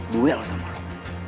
duel sama lu